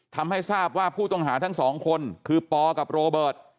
ทำให้ทราบว่าผู้ต้องหาทั้งสองคนคือปกับโรเบิร์ต